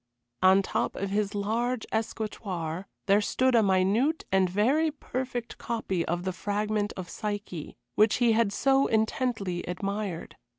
On top of his large escritoire there stood a minute and very perfect copy of the fragment of Psyche, which he had so intensely admired.